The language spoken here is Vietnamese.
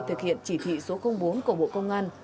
thực hiện chỉ thị số bốn của bộ công an